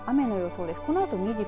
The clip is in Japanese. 雨の予想です。